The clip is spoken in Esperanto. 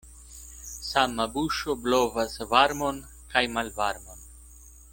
Sama buŝo blovas varmon kaj malvarmon.